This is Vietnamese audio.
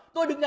tôi đứng ra